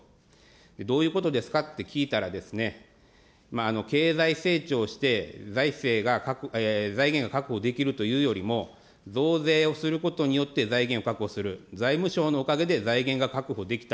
どういうことですかって聞いたら、経済成長して、財政が、財源が確保できるというよりも、増税をすることによって財源を確保する、財務省のおかげで財源が確保できた。